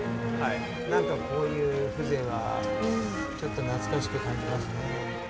何かこういう風情はちょっと懐かしく感じますね。